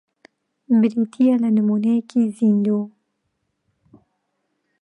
بریتییە لە نموونەیەکی زیندوو